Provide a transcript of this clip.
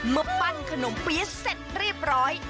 มาปั้นขนมเปี๊ยะเสร็จเรียบร้อย